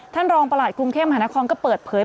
ท่านรองประหลาดกรุงเทพมหานครก็เปิดเผย